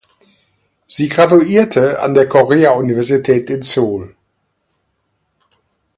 Sie graduierte an der Korea-Universität in Seoul.